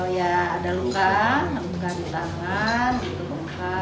ya ada luka luka di tangan gitu luka